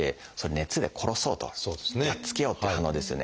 熱で殺そうとやっつけようって反応ですよね。